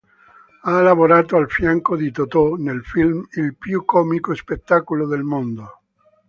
Ha lavorato al fianco di Totò nel film "Il più comico spettacolo del mondo".